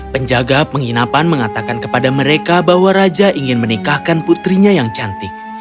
penjaga penginapan mengatakan kepada mereka bahwa raja ingin menikahkan putrinya yang cantik